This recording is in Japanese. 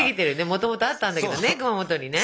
もともとあったんだけどね熊本にね。